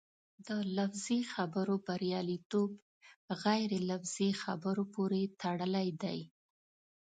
د لفظي خبرو بریالیتوب غیر لفظي خبرو پورې تړلی دی.